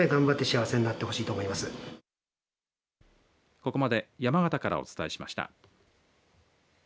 ここまで山形からお伝えしました。